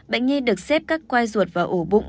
bệnh nhi được xếp các quai ruột và ổ bụng